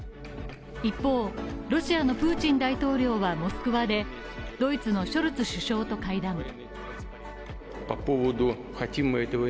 一方、ロシアのプーチン大統領はモスクワでドイツのショルツ首相と会談。